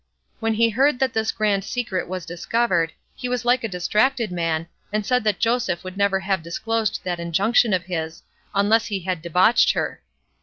When he heard that this grand secret was discovered, he was like a distracted man, and said that Joseph would never have disclosed that injunction of his, unless he had debauched her.